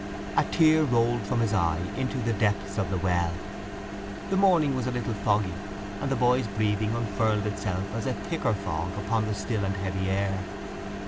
A tear rolled from his eye into the depths of the well. The morning was a little foggy, and the boy's breathing unfurled itself as a thicker fog upon the still and heavy air.